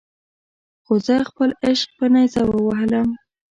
خو زه خپل عشق په نیزه ووهلم.